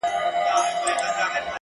خزان یې مه کړې الهي تازه ګلونه،